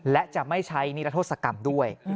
และจะไม่ใช้นิรโทษกรรมด้วย